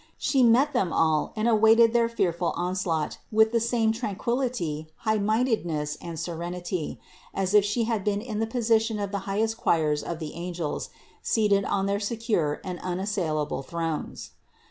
She met them all and awaited their fearful onslaught with the same tranquillity, high minded ness and serenity, as if She had been in the position of the highest choirs of the angels seated on their secure and unassailable thrones.